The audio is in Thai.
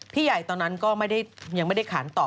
ใหญ่ตอนนั้นก็ยังไม่ได้ขานตอบ